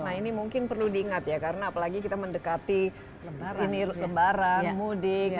nah ini mungkin perlu diingat ya karena apalagi kita mendekati lebaran mudik